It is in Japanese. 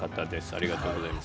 ありがとうございます。